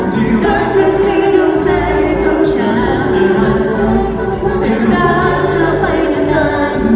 เพราะเธอนี้ดูใจของฉันแต่รักเธอไปนานนาน